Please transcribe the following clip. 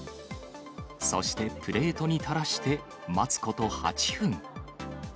そしてプレートにたらして、待つこと８分。